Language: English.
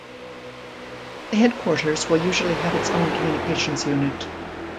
The headquarters will usually have its own communications unit.